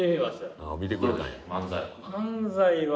漫才は。